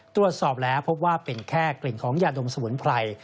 ตรวจสอบแล้วพบว่าเป็นแค่กลิ่นของยาดมสมุนไพร